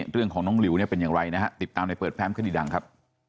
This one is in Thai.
เรื่องของน้องลิวเป็นอย่างไรนะครับติดตามในเปิดแพรมคณิดังครับ